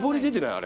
あれ。